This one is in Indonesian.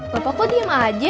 bapak kok diem aja